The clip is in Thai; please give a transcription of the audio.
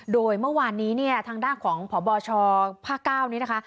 โดยเมื่อวานนี้ทางด้านของผบชพเก้านี้นะคะ